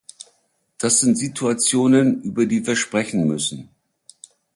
Das sind Situationen, über die wir sprechen müssen.